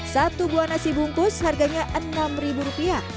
satu buah nasi bungkus harganya rp enam